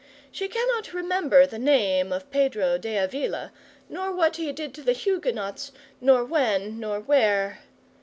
She cannot remember the name of Pedro de Avila, nor what he did to the Huguenots, nor when, nor where.